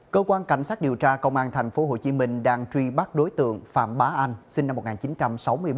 cơ quan cảnh sát điều tra công an tp hcm đang truy bắt đối tượng phạm bá anh sinh năm một nghìn chín trăm sáu mươi ba